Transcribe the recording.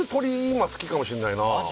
今好きかもしんないなマジ？